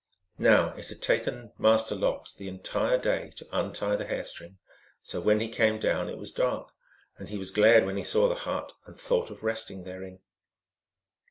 Now it had taken Master Lox the entire day to untie the hair string, so when he came down it was dark, and he was glad when he saw the hut and thought of resting therein.